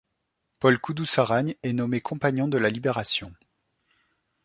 Paul Koudoussaragne est nommé compagnon de la Libération.